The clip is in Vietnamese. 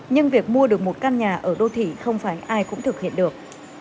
nhưng việc mua được một căn nhà ở đô thị không phải ai cũng thực hiện được